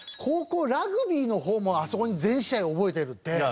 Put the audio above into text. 高校ラグビーの方もあそこに全試合覚えてるって。